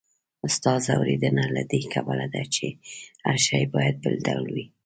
ستا ځوریدنه له دې کبله ده، چې هر شی باید بل ډول وي.